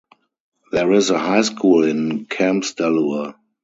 There is a high school in Kambsdalur.